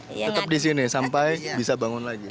tetep disini sampai bisa bangun lagi